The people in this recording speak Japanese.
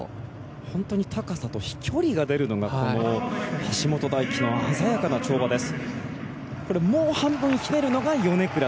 本当に高さと飛距離が出るのがこの橋本大輝の鮮やかな跳馬です。